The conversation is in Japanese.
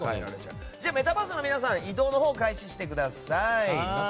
メタバースの皆さん移動を開始してください。